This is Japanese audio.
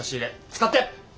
使って！